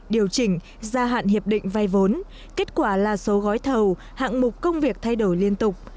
điều chỉnh gia hạn hiệp định vay vốn kết quả là số gói thầu hạng mục công việc thay đổi liên tục